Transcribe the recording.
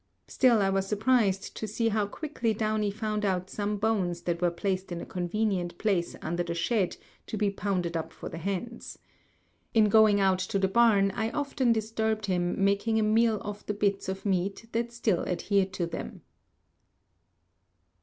Still I was surprised to see how quickly Downy found out some bones that were placed in a convenient place under the shed to be pounded up for the hens. In going out to the barn I often disturbed him making a meal off the bits of meat that still adhered to them.